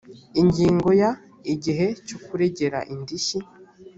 ingingo ya igihe cyo kuregera indishyi